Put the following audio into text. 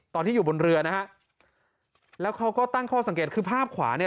ตอนที่อยู่บนเรือนะฮะแล้วเขาก็ตั้งข้อสังเกตคือภาพขวาเนี่ย